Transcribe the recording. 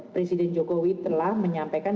presiden jokowi telah menyampaikan